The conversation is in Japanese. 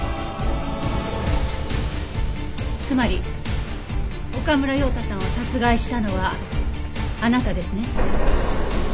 つまり岡村陽太さんを殺害したのはあなたですね？